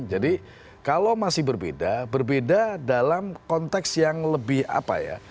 jadi kalau masih berbeda berbeda dalam konteks yang lebih apa ya